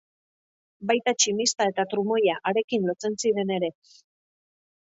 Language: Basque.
Baita tximista eta trumoia harekin lotzen ziren ere.